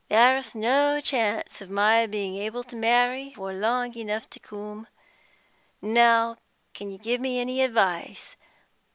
There's no chance of my being able to marry for long enough to come. Now, can you give me any advice?